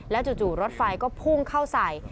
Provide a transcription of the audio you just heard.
จู่รถไฟก็พุ่งเข้าใส่